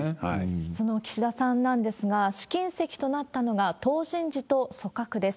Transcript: その岸田さんなんですが、試金石となったのが党人事と組閣です。